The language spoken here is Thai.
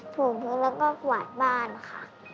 ผูกไว้แล้วก็กวาดบ้านค่ะ